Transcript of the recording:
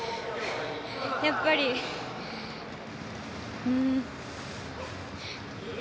やっぱり、うーん。